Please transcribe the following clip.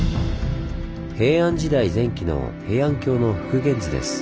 平安時代前期の平安京の復元図です。